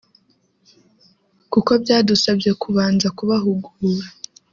kuko byadusabye kubanza kubahugura